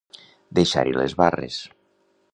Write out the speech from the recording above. Deixar-hi les barres.